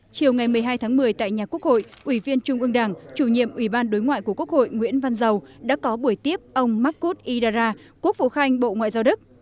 chiều ngày một mươi hai tháng một mươi tại nhà quốc hội ủy viên trung ương đảng chủ nhiệm ủy ban đối ngoại của quốc hội nguyễn văn giàu đã có buổi tiếp ông marcos idara quốc vụ khanh bộ ngoại giao đức